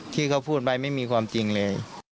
ที่เขาพูดไปไม่มีความจริงเลย